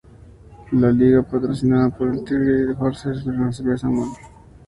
La liga es patrocinada por "Three Horses Beer", una cerveza malgache.